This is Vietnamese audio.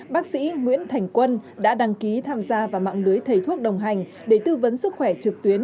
bác sĩ nguyễn thành quân đã đăng ký tham gia vào mạng lưới thầy thuốc đồng hành để tư vấn sức khỏe trực tuyến